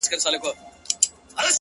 • هر طبیب یې په علاج پوري حیران سو,